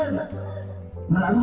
merdeka itu juga lunas